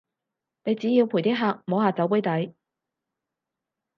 你只要陪啲客摸下酒杯底